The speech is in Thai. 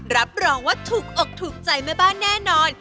รับรองว่าถูกอกถูกใจแม่บ้านแน่นอน